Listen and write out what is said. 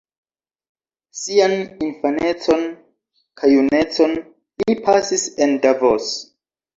Sian infanecon kaj junecon li pasis en Davos.